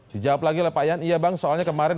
dijawab lagi oleh pak yan iya bang soalnya kemarin